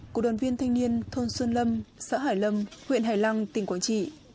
của đoàn viên thanh niên thôn xuân lâm xã hải lâm huyện hải lăng tỉnh quảng trị